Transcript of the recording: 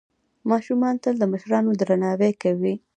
ماشومان تل د مشرانو درناوی کوي.